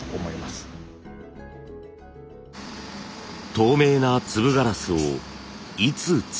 透明な粒ガラスをいつつけるか？